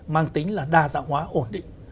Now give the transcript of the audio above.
mang tính là đa dạng hóa ổn định